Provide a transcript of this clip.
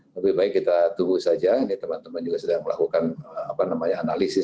lebih baik kita tunggu saja ini teman teman juga sedang melakukan analisis